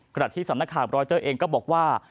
ขณะที่สำนักข่าวรอยเตอร์เองก็บอกว่า